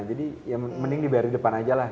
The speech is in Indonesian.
jadi ya mending dibayar di depan aja lah